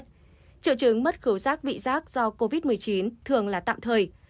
triệu chứng mất khẩu rác vị rác do covid một mươi chín thường là tạm thời